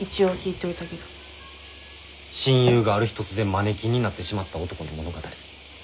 親友がある日突然マネキンになってしまった男の物語。